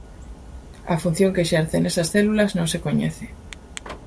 A función que exerce nesas células non se coñece.